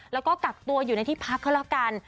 แล้วก็กักตัวอยู่ในที่พักเขาแล้วกัน